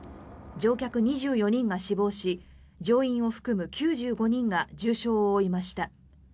乗客２４人が死亡し乗員を含む９５人が重傷を負いました。